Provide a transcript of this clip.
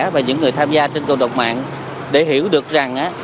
và những người tham gia trên cộng đồng mạng để hiểu được rằng